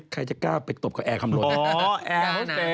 ใครจะกล้าไปตบกับแอ